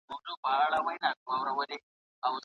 که په کور کې زده کړه وي نو درس نه ټکنی کیږي.